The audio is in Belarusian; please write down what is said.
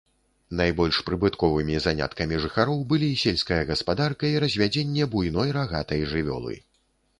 Найбольш прыбытковымі заняткамі жыхароў былі сельская гаспадарка і развядзенне буйной рагатай жывёлы.